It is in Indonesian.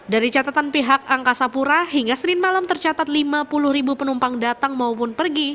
dari catatan pihak angkasa pura hingga senin malam tercatat lima puluh ribu penumpang datang maupun pergi